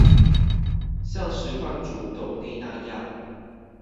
像實況主斗內那樣